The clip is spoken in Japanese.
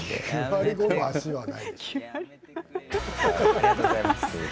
ありがとうございます。